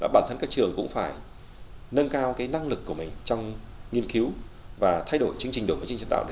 bản thân các trường cũng phải nâng cao năng lực của mình trong nghiên cứu và thay đổi chương trình đồn và chương trình đào tạo